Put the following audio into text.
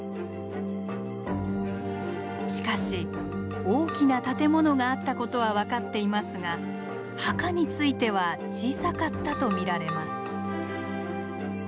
しかし大きな建物があったことは分かっていますが墓については小さかったと見られます。